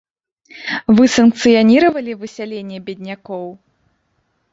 Вы санкцыяніравалі высяленне беднякоў?